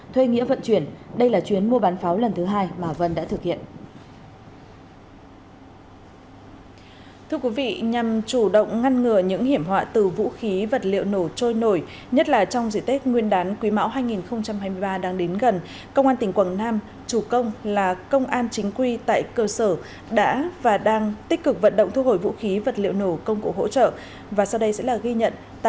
thuê nghĩa vận chuyển đây là chuyến mua bán pháo lần thứ hai mà vân đã thực hiện